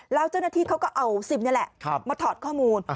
แล้วเจ้าหน้าที่เขาก็เอาซิมนี่แหละมาถอดข้อมูล